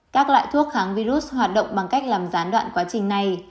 các loại thuốc kháng virus hoạt động bằng cách làm gián đoạn quá trình này